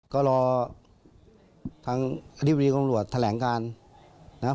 ก็รอทางอธิบดีกรมรวจแถลงการนะครับ